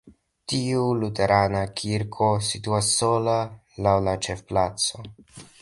Tiu luterana kirko situas sola laŭ la ĉefplaco.